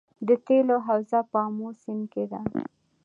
د تیلو حوزه په امو سیند کې ده